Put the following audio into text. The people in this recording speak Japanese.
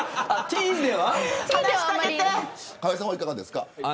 河井さんはいかがですか。